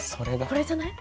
これじゃない？